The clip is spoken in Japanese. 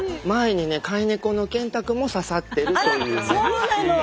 そうなの？